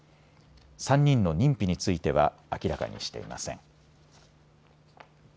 ３人の認否については明らかにしていません。